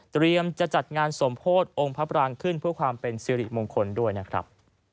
จะจัดงานสมโพธิองค์พระปรางขึ้นเพื่อความเป็นสิริมงคลด้วยนะครับ